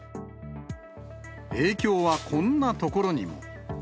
影響はこんなところにも。